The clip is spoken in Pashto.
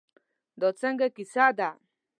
دا څنګه کیسه ده.